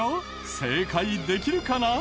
正解できるかな？